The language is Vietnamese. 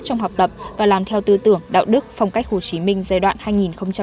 trong học tập và làm theo tư tưởng đạo đức phong cách hồ chí minh giai đoạn hai nghìn hai mươi một hai nghìn hai mươi bốn